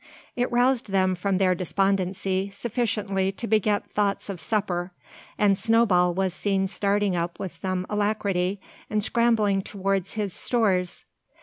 It roused them from their despondency sufficiently to beget thoughts of supper; and Snowball was seen starting up with some alacrity, and scrambling towards his stores.